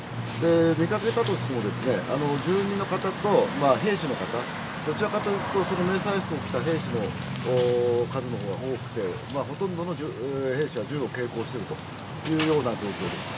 見かけたとしても、住民の方と兵士の方、どちらかというと、迷彩服を着た兵士の数のほうが多くて、ほとんどの兵士は銃を携行しているというような状況です。